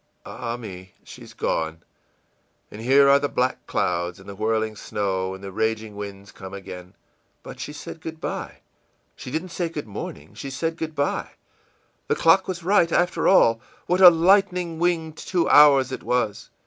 Ah, me, she's gone, and here are the black clouds and the whirling snow and the raging winds come again! But she said good by. She didn't say good morning, she said good by! ... The clock was right, after all. What a lightning winged two hours it was!